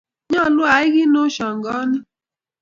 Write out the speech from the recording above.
nyalun a ai kit ne oshangaani